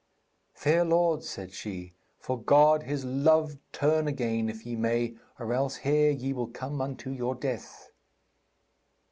'Fair lords,' said she, 'for God His love turn again if ye may, or else here ye will come unto your death.'